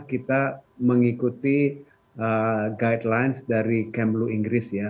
kita mengikuti guidelines dari kemlu inggris ya